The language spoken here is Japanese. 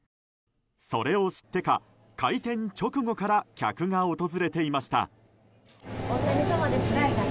それを知ってか、開店直後から客が訪れていました。